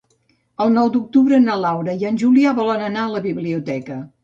El nou d'octubre na Laura i en Julià volen anar a la biblioteca.